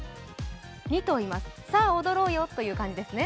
２頭います、さあ踊ろうよという感じです。